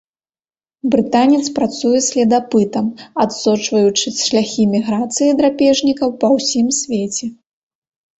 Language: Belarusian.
Брытанец працуе следапытам, адсочваючы шляхі міграцыі драпежнікаў па ўсім свеце.